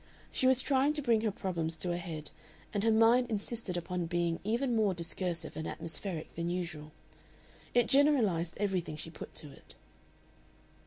She was trying to bring her problems to a head, and her mind insisted upon being even more discursive and atmospheric than usual. It generalized everything she put to it.